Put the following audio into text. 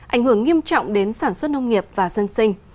ảnh hưởng nghiêm trọng đến sản xuất nông nghiệp và dân sinh